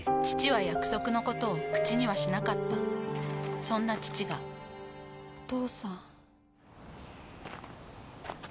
父は約束のことを口にはしなかったそんな父がお父さん。